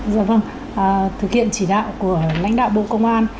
dạ vâng thực hiện chỉ đạo của lãnh đạo bộ công an